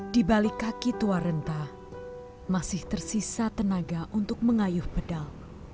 di balik kaki tua renta masih tersisa tenaga untuk mengayuh pedal